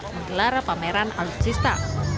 menggelar pameran alusista